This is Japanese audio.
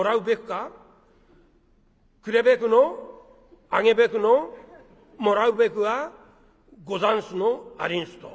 くれべくのあげべくのもらうべくはござんすのありんすと。